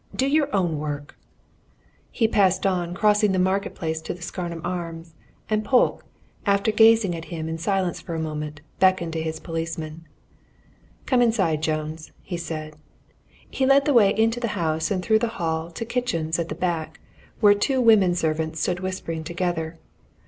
"Do your own work!" He passed on, crossing the Market Place to the Scarnham Arms, and Polke, after gazing at him in silence for a moment, beckoned to his policeman. "Come inside, Jones," he said. He led the way into the house and through the hall to the kitchens at the back, where two women servants stood whispering together.